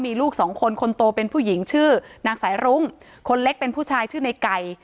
มีลูกสองคนคนโตเป็นผู้หญิงชื่อนางสายรุ้งคนเล็กเป็นผู้ชายชื่อในไก่